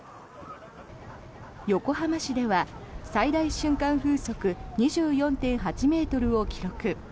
横浜市では最大瞬間風速２４．８ｍを記録。